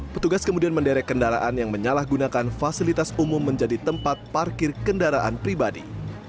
petugas kemudian menderek kendaraan yang menyalahgunakan fasilitas umum menjadi tempat parkir kendaraan pribadi